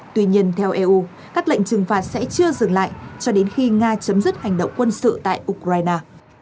tuy nhiên theo eu các lệnh trừng phạt sẽ chưa dừng lại cho đến khi nga chấm dứt hành động quân sự tại ukraine